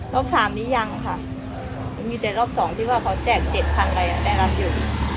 รอบ๓นี้ยังค่ะมีแต่รอบ๒ที่ว่าเขาแจก๗๐๐อะไรได้รับอยู่